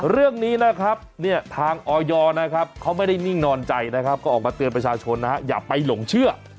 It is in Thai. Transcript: เรื่องนี้นะครับทางออยไม่ได้นิ่งนอนใจก็ออกมาเตือนประชาชนอย่าไปหลงเชื่อ